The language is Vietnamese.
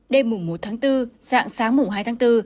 đêm một tháng bốn sáng hai tháng bốn